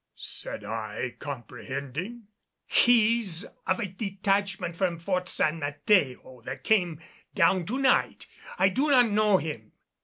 said I, comprehending. "He is of a detachment from Fort San Mateo that came down to night. I do not know him."